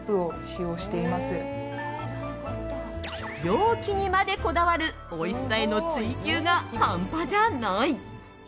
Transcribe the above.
容器にまでこだわるおいしさへの追求が半端じゃない。